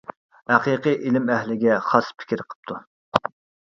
ھەقىقىي ئىلىم ئەھلىگە خاس پىكىر قىپتۇ.